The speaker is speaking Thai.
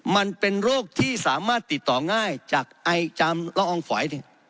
มันเป็นโรคที่สามารถติดต่อง่ายจากไอจามละอองฝอย